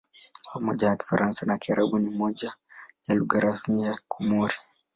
Pamoja na Kifaransa na Kiarabu ni moja ya lugha rasmi ya Komori.